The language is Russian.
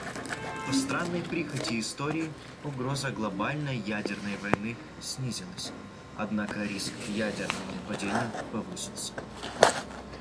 По странной прихоти истории угроза глобальной ядерной войны снизилась, однако риск ядерного нападения повысился".